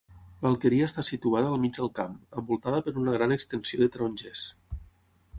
L'alqueria està situada al mig del camp, envoltada per una gran extensió de tarongers.